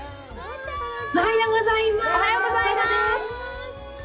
おはようございます。